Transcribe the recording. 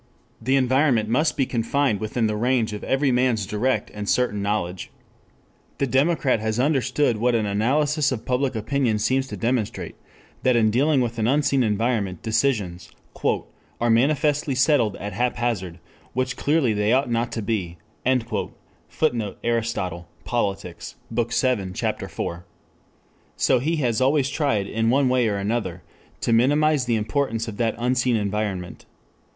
The environment must be confined within the range of every man's direct and certain knowledge. The democrat has understood what an analysis of public opinion seems to demonstrate: that in dealing with an unseen environment decisions "are manifestly settled at haphazard, which clearly they ought not to be." [Footnote: Aristotle, Politics, Bk. VII, Ch. IV.] So he has always tried in one way or another to minimize the importance of that unseen environment.